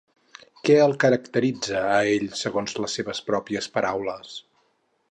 Què el caracteritza a ell, segons les seves pròpies paraules?